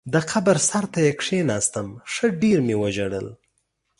د قبر سر ته یې کېناستم، ښه ډېر مې وژړل.